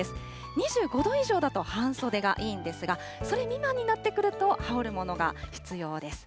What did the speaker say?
２５度以上だと半袖がいいんですが、それ未満になってくると、羽織るものが必要です。